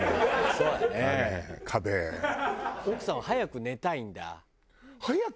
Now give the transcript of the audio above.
奥さんは早く寝たいんだ。